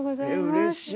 うれしい。